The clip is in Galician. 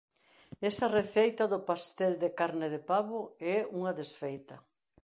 Esa receita do pastel de carne de pavo é unha desfeita.